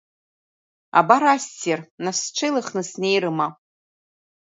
Абар ассир, нас сҽеилыхны снеирыма?